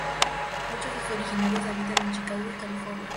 Muchos de sus originarios habitan en Chicago y California.